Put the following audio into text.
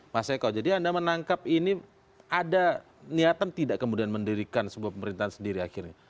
mas eko jadi anda menangkap ini ada niatan tidak kemudian mendirikan sebuah pemerintahan sendiri akhirnya